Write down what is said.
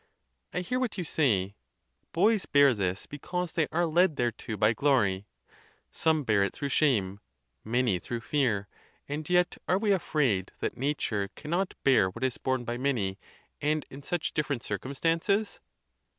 I hear what you say: Boys bear this because they are led thereto by glory; some bear it through shame, many through fear, and yet are we afraid that nature cannot bear what is borne by many, and in such different cir cumstances?